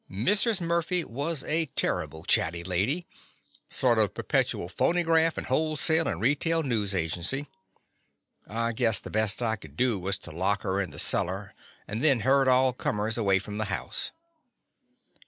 Mrs. Murphy was a terrible chatty lady — sort of perpetual phonygraft, and wholesale and retail news agency. I guessed the best I could do was to lock her in the cellar and then herd all comers away from the house.